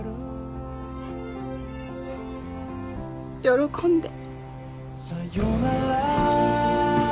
喜んで。